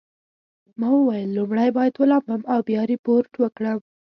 ما وویل لومړی باید ولامبم او بیا ریپورټ ورکړم.